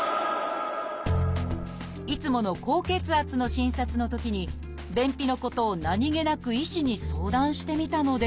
いつもの高血圧の診察のときに便秘のことを何気なく医師に相談してみたのです。